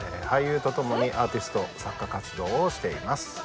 俳優とともにアーティスト作家活動をしています。